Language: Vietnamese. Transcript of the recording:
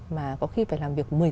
mà có khi phải làm việc